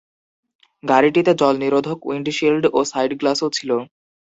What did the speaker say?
গাড়িটিতে জল নিরোধক উইন্ডশিল্ড ও সাইড গ্লাসও ছিল।